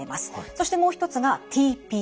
そしてもう一つがＴＰ法。